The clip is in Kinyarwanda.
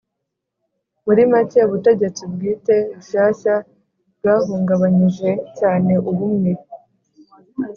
Muri make ubutegetsi bwite bushyashya bwahungabanyije cyane ubumwe